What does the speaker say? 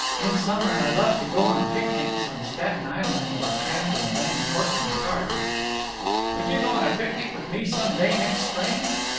In summer I love to go on picnics on Staten Island or tramp in Van Cortlandt Park." "Would you go on a picnic with me some day next spring?"